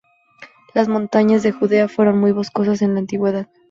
Las montañas de Judea fueron muy boscosas en la antigüedad.